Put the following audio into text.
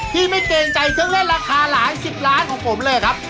พี่ไม่เกรงใจเครื่องเล่นราคาหลายสิบล้านของผมเลยครับ